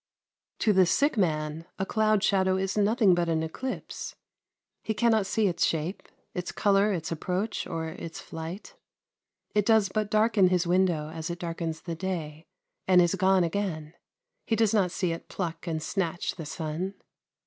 To the sick man a cloud shadow is nothing but an eclipse; he cannot see its shape, its color, its approach, or its flight. It does but darken his window as it darkens the day, and is gone again; he does not see it pluck and snatch the sun.